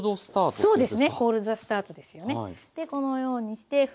そうですね。